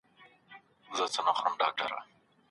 په کورني درس کې د ماشوم پوښتنه نه ردېږي.